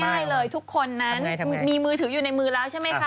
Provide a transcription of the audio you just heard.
ได้เลยทุกคนนั้นมีมือถืออยู่ในมือแล้วใช่ไหมคะ